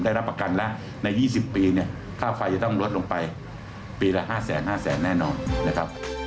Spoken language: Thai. ได้รับประกันแล้วใน๒๐ปีเนี่ยค่าไฟจะต้องลดลงไปปีละ๕๕๐๐๐แน่นอนนะครับ